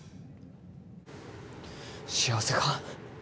幸せか？